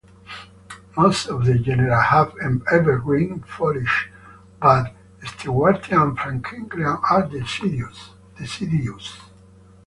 Most of the genera have evergreen foliage, but "Stewartia" and "Franklinia" are deciduous.